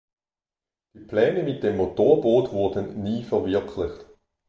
Die Pläne mit dem Motorboot wurden nie verwirklicht.